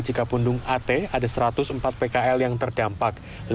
jikapundung at ada satu ratus empat pkl yang terdampak